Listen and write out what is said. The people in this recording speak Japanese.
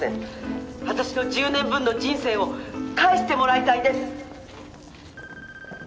「私の１０年分の人生を返してもらいたいです」